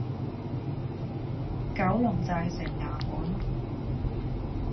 九龍寨城衙門